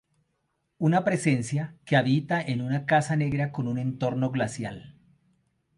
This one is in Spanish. Una presencia que habita en una casa negra con un entorno glacial.